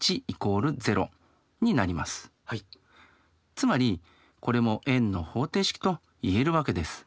つまりこれも円の方程式と言えるわけです。